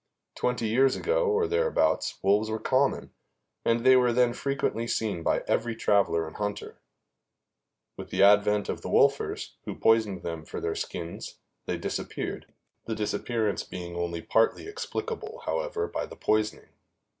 Twenty years ago, or thereabouts, wolves were common, and they were then frequently seen by every traveler and hunter. With the advent of the wolfers, who poisoned them for their skins, they disappeared, the disappearance being only partly explicable, however, by the poisoning.